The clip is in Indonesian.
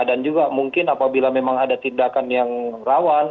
dan juga mungkin apabila memang ada tindakan yang rawan